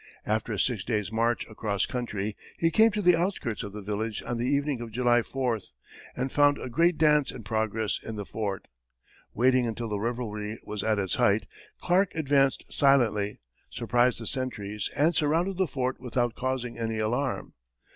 After a six days' march across country, he came to the outskirts of the village on the evening of July 4th, and found a great dance in progress in the fort. Waiting until the revelry was at its height, Clark advanced silently, surprised the sentries, and surrounded the fort without causing any alarm.